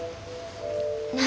何？